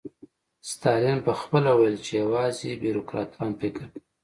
ستالین پخپله ویل چې یوازې بیروکراټان فکر کوي